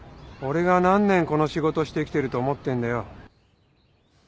俺が何年この仕事してきてると思ってんだよ。